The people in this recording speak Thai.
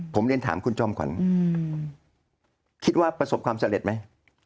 ผมเรียนถามคุณจอมขวัญคิดว่าประสบความสำเร็จไหม